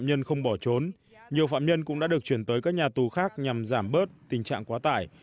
nhiều phạm nhân cũng đã được chuyển tới các nhà tù khác nhằm giảm bớt tình trạng quá tải